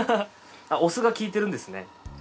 お酢が効いてるんですね。